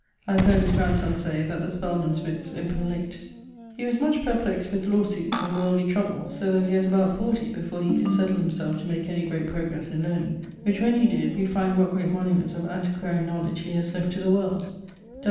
I have heard his grandson say, that the Spelmans' witts open late. He was much perplexed with lawe suites and worldly troubles, so that he was about 40 before he could settle himselfe to make any great progresse in learning, which when he did, we find what great monuments of antiquarian knowledge he has left to the world.